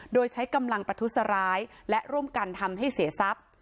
โดยใช้กำลังประทุษร้ายและร่วมกันทำให้เสียทรัพย์